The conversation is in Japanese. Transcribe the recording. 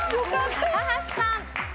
高橋さん。